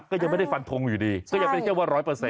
ก็ยังไม่ได้ฟันทงอยู่ดีก็ยังไม่ใช่ว่าร้อยเปอร์เซ็